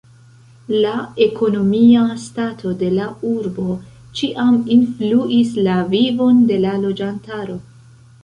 La ekonomia stato de la urbo ĉiam influis la vivon de la loĝantaro.